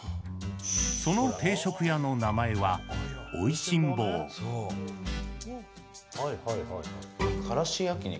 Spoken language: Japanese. その定食屋の名前はからし焼肉？